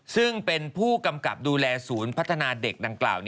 ซึ่งเป็นผู้กำกับดูแลศูนย์พัฒนาเด็กดังกล่าว